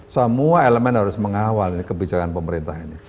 semua elemen harus mengawal kebijakan pemerintah ini